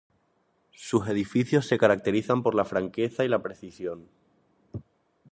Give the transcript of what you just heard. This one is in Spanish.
Sus edificios se caracterizan por la franqueza y la precisión.